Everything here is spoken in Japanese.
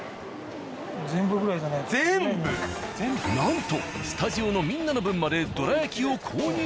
なんとスタジオのみんなの分までどら焼きを購入。